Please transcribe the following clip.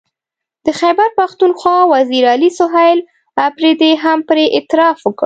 د خیبر پښتونخوا وزیر اعلی سهیل اپريدي هم پرې اعتراف وکړ